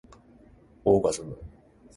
オーガズム